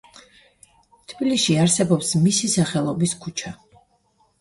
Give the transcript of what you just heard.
თბილისში არსებობს მისის სახელობის ქუჩა.